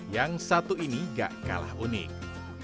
yang satu ini gak kalah unik